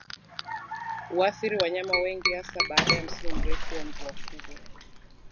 Huathiri wanyama wengi hasa baada ya msimu mrefu wa mvua kubwa